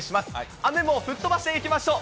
雨も吹っ飛ばしていきましょう。